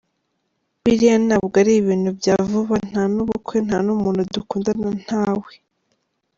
Biriya ntabwo ari ibintu bya vuba, nta n’ubukwe, nta n’umuntu dukundana, ntawe.